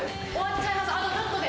あとちょっとで。